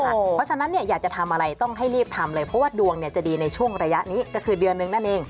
เพราะฉะนั้นอยากจะทำอะไรต้องให้รีบทำเลยเพราะว่าดวงจะดีในช่วงระยะนี้ก็คือเดือนหนึ่งนั่นเอง